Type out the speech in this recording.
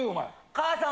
母さん。